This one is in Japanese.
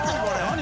何？